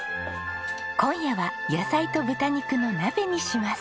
今夜は野菜と豚肉の鍋にします。